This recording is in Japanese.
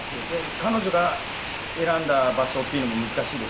彼女が選んだ場所っていうのも難しいです。